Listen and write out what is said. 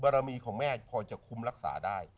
รมีของแม่พอจะคุ้มรักษาได้